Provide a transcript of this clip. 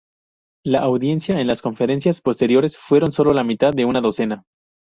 La audiencia en las conferencias posteriores fueron solo la mitad de una docena.